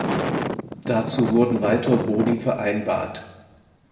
Dazu wurden weitere Boni vereinbart.